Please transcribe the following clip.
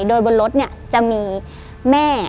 โดยบนรถเนี่ยจะมีแม่